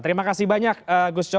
terima kasih banyak gus coy